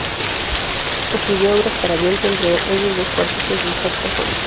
Escribió obras para viento, entre ellos dos cuartetos de saxofones.